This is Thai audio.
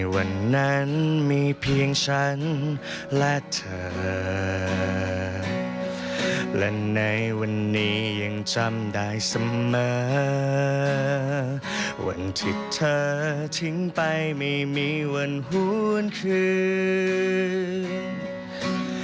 วันที่เธอทิ้งไปไม่มีวันหุ้นคืน